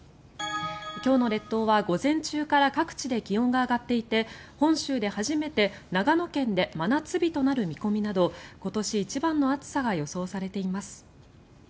今日の列島は午前中から各地で気温が上がっていて本州で初めて長野県で真夏日となる見込みなど今年一番の暑さが予想されています。